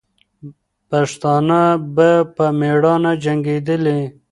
پښتانه به په میړانه جنګېدلې.